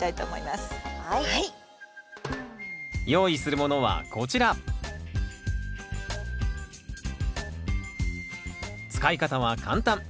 用意するものはこちら使い方は簡単。